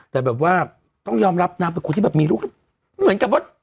แต่แบบว่าต้องยอมรับนางเป็นคนที่แบบมีลูกเหมือนกับว่า